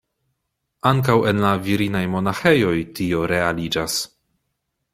Ankaŭ en la virinaj monaĥejoj tio realiĝas.